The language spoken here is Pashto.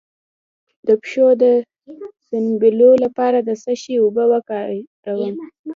د پښو د سپینولو لپاره د څه شي اوبه وکاروم؟